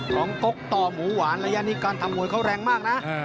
ของก็กต่อหมูหวานและยะนิกานทำมวยเขาแรงมากนะ